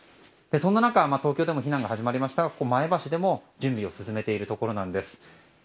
そんな中東京でも避難が始まりましたが前橋でも準備を進めているとことなんです。